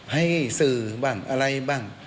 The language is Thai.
ให้สื่อบ้างอะไรบ้าง